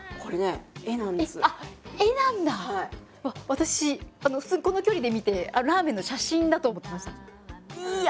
私普通にこの距離で見てラーメンの写真だと思ってました。